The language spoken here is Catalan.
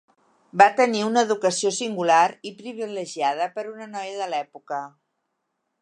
Va tenir una educació singular i privilegiada per a una noia de l’època.